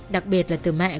đặc biệt là từ mẹ của hắn